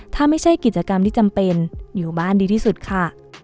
ถ้าไม่ใช่กิจกรรมที่จำเป็นอยู่บ้านดีที่สุดค่ะ